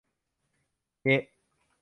เงะ